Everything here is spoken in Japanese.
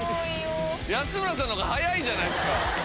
安村さんのほうが早いじゃないですか！